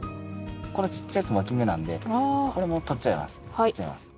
この小さいやつもわき芽なんでこれも取っちゃいます。